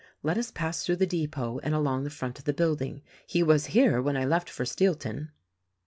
Let us pass through the depot and along the front of the building. He was here when I left for Steelton."